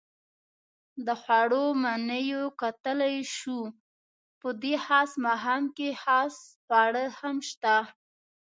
د خوړو منیو کتلای شو؟ په دې خاص ماښام کې خاص خواړه هم شته.